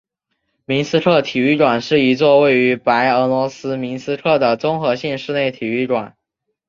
明斯克体育馆是一座位于白俄罗斯明斯克的综合性室内体育馆。